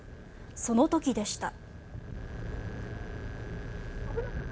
その時でした。